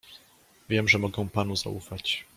"Wiem, że mogę panu zaufać."